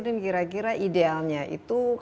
dan kira kira idealnya itu